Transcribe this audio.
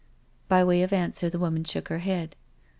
By way of answer the woman shook her head.